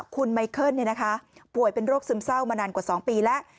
คุณไมเคิลป่วยเป็นโรคซึมเศร้ามานานกว่า๒ปีแล้ว